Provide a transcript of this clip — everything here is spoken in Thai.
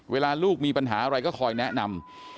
เวลาลูกมีปัญหาอะไรก็คอยแนะนำ